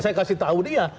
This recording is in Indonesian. saya kasih tahu dia